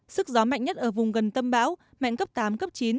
sức gió mạnh nhất ở vùng gần tâm bão mạnh cấp tám cấp chín